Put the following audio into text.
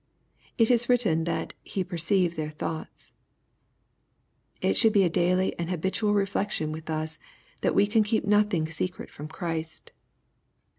It is written, that " He perceived their thoughts It should be a daily and habitual reflection with us that we can keep nothing secret from Christ.